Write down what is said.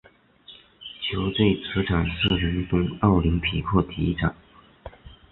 球队主场是伦敦奥林匹克体育场。